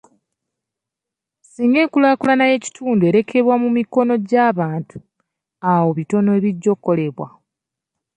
Singa enkulaakulana y'ekitundu erekebwa mu mikono gy'abantu, awo bitono ebijja okukolebwa.